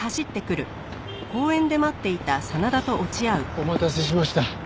お待たせしました。